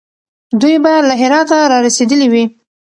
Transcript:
دوی به له هراته را رسېدلي وي.